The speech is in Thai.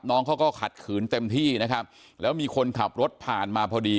น้องเขาก็ขัดขืนเต็มที่นะครับแล้วมีคนขับรถผ่านมาพอดี